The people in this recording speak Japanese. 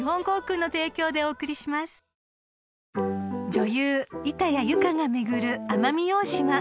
［女優板谷由夏が巡る奄美大島］